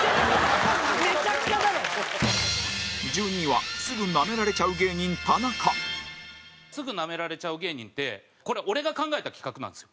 １２位はすぐナメられちゃう芸人、田中向：すぐナメられちゃう芸人ってこれ俺が考えた企画なんですよ。